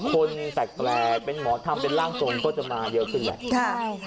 คนแปลกเป็นหมอทำเป็นร่างทรงก็จะมาเยอะขึ้นแหละ